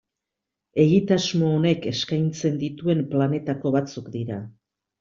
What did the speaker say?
Egitasmo honek eskaintzen dituen planetako batzuk dira.